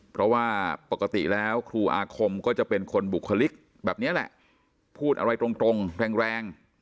เพราะว่าปกติแล้วครูอาคมก็จะเป็นคนบุคลิกแบบนี้แหละพูดอะไรตรงแรงแรง